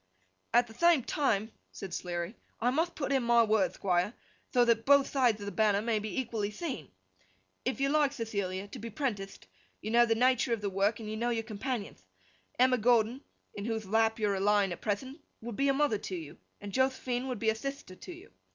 'At the thame time,' said Sleary, 'I mutht put in my word, Thquire, tho that both thides of the banner may be equally theen. If you like, Thethilia, to be prentitht, you know the natur of the work and you know your companionth. Emma Gordon, in whothe lap you're a lying at prethent, would be a mother to you, and Joth'phine would be a thithter to you.